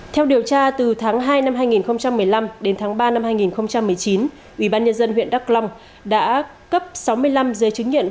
theo điều tra từ tháng hai năm hai nghìn một mươi năm đến tháng ba năm hai nghìn một mươi chín ủy ban nhân dân huyện đắk lông đã cấp sáu mươi năm giới chứng nhận